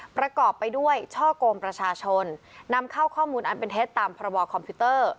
ประกอบไปด้วยช่อกงประชาชนนำเข้าข้อมูลอันเป็นเท็จตามพรบคอมพิวเตอร์